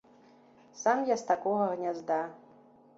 Сам я з такога гнязда.